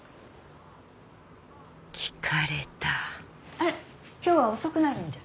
あら今日は遅くなるんじゃ？